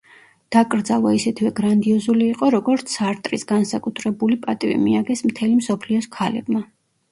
დაკრძალვა ისეთივე გრანდიოზული იყო, როგორც სარტრის, განსაკუთრებული პატივი მიაგეს მთელი მსოფლიოს ქალებმა.